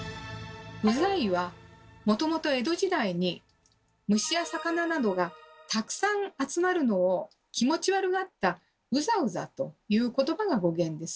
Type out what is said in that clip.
「うざい」はもともと江戸時代に虫や魚などがたくさん集まるのを気持ち悪がった「うざうざ」という言葉が語源です。